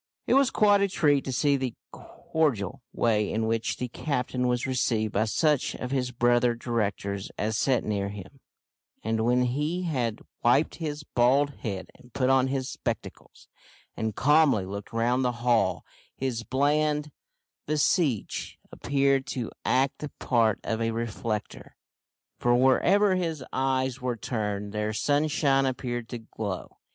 It was quite a treat to see the cordial way in which the captain was received by such of his brother directors as sat near him, and, when he had wiped his bald head and put on his spectacles, and calmly looked round the hall, his bland visage appeared to act the part of a reflector, for, wherever his eyes were turned, there sunshine appeared to glow.